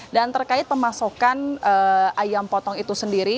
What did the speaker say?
dan terkait pemasokan ayam potong itu sendiri